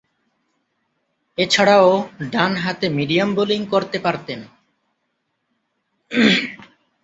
এছাড়াও, ডানহাতে medium bowling করতে পারতেন।